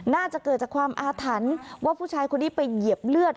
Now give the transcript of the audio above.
น่าจะเกิดจากความอาถรรพ์ว่าผู้ชายคนนี้ไปเหยียบเลือด